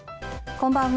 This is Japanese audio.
こんばんは。